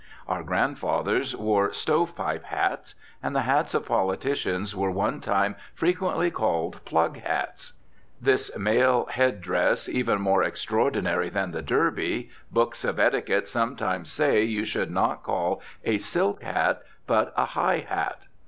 Our grandfathers wore "stove pipe hats"; and the hats of politicians were one time frequently called "plug hats." This male head dress even more extraordinary than the derby, books of etiquette sometimes say you should not call a "silk hat" but a "high hat."